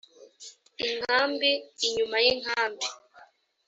inkambi: inyuma y’ inkambi